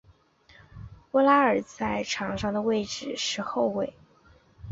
沃拉尔在场上的位置是后卫。